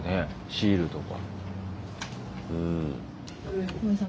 シールとか。